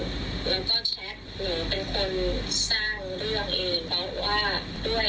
แล้วก็แชทหนูเป็นคนสร้างเรื่องเอง